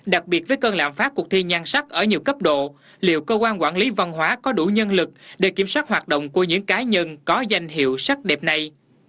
đặc biệt với cơn lạm phát cuộc thi nhan sắc ở nhiều cấp độ liệu cơ quan quản lý văn hóa có đủ nhân lực để kiểm soát hoạt động của những cá nhân có danh hiệu sắc đẹp này